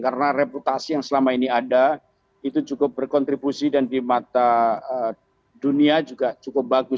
karena reputasi yang selama ini ada itu cukup berkontribusi dan di mata dunia juga cukup bagus